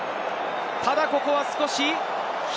ただここは少し左。